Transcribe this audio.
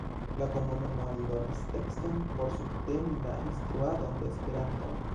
La komunumo eldonis tekston por subteni la instruadon de Esperanton.